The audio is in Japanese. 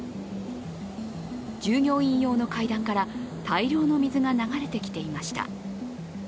従業員用の階段から大量の水が流れてきていました。